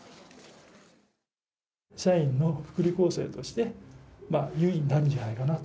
社員の福利厚生として優位になるんじゃないかなと。